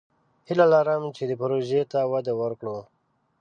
هیله لرم چې دې پروژې ته وده ورکړو.